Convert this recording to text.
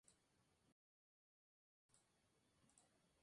Pero primero, tienen que sobrevivir entre sí.